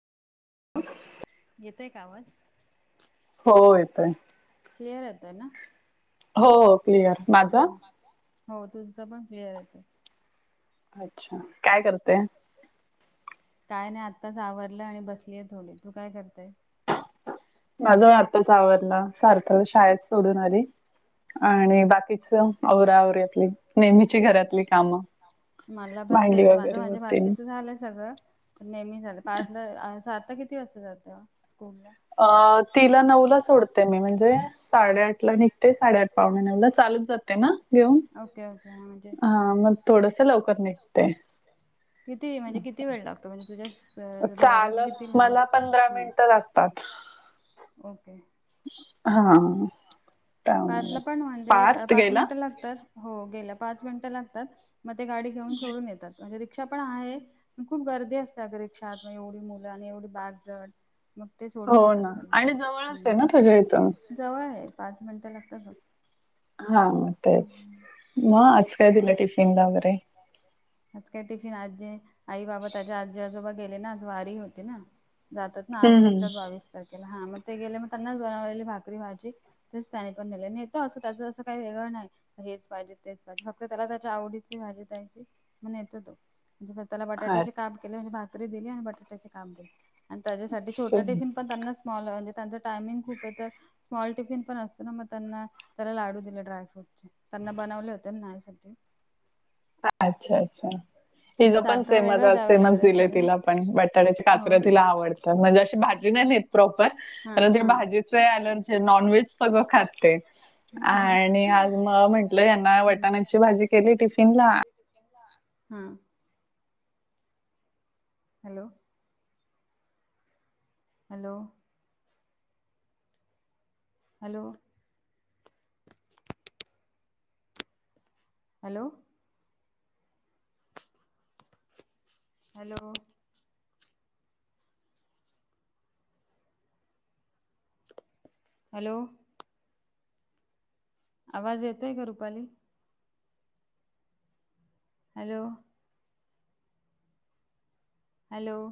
येतय का आवाज? हो येतोय. क्लिअर येतोय ना? हो क्लिअर. माझा? हम्म हो. तुम्हच पण क्लिअर येतोय. अच्छा! काय करते? काय नाही. आत्ताच आवरलं आणि बसलीय थोडी. तू काय करते? माझं आत्ताच आवरलं. सार्थक ला शाळेत सोडून आले. आणि आत्ता [unintelligible] आवरा आवरी आपली, नेहमीची घरातली काम. मला पण भांडी तेच माझं वगैरे माझ्या तेन बाकीचं झालंय सगळं, पण नेहमी झालं, सार्थक किती वाजता जातं स्कूलला? अ तिला नऊला सोडते मी, म्हणजे साडेआठला निघते, साडेआठ पावणे नऊला चालत जाते ना, घेऊन. हा म्हणजे हा, मग थोडस लवकर निघते. किती म्हणजे, किती असं. वेळ लागतो म्हणजे तुझ्या घरापासून किती चालत लांब मला पंधरा आहे? मिनिटं लागतात ओके. हा. त्यामुळे पार्थला पण म्हणजे, पार्थ पाच गेला मिनटं लागतात. हो, गेला, पाच मिनटं लागतात, मग ते गाडी घेऊन सोडून येतात. म्हणजे रिक्षा पण आहे, पण खूप गर्दी असते रिक्षात, म एवढी मुलं आणि एवढी बॅग जड मग ते सोडून येतात त्याला येतो जवळ आहे, पाच मिनटं लागतात फक्त. हा, तेच म आज काय दिलं टिफिनला वगैरे? आज काय टिफिन, आजी आई बाबा त्याच्या आजी आजोबा गेले ना, आज वारी होते ना, जातात ना, आज हं, हं. निघतात बावीस तारखेला हा, मग ते गेले मग त्यांनाच बनवलेली भाकरी भाजी. तेच त्याने पण नेलं नेतो, असं त्याच असं काही वेगळं नाही, हेच पाहिजे तेच फक्त त्याला त्याच्या आवडीची भाजी द्यायची, म मी न्हेतोय तो, म्ह त्याला बटाट्याचे अच्छा, काप आण भाकरी दिली, बटाट्याचे काप दिले, त्याच्या साठी छोटा टिफीन पण दिला [unintelligible] आता त्यांच टाइमिंग खूप आहे तर स्मॉल टिफिन पण असतो ना, मग त्यांना त्याला लाडू दिले ड्रायफ्रूटचे, त्यांना बनवले होते. [unintelligible] साठी. अच्छा अच्छा! तिचं पण सार्थला सेमच, वेगळं द्यावं लागत सेमच दिले असेल ना? तिला पण बट काचर हो का? तिला आवडत, म्हणजे अशी भाजी नाही नेत प्रॉपर, हा पण तीला हा. भाजी नॉनव्हेज सगळ खाते, हा आणि आज मग यांना वटाणाची भाजी केली, टिफिनला हा. Hello? Hello? Hello? Hello? Hello? Hello. आवाज येतोय का रुपाली? हॅलो. हॅलो?